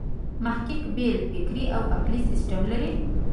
محقق بېل فکري او عقلي سیسټم لري.